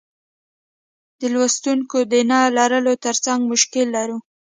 د لوستونکیو د نه لرلو ترڅنګ مشکل لرو.